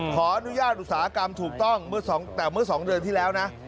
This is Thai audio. ขออนุญาตอุตสาหกรรมถูกต้องเมื่อ๒เดือนที่แล้วนะ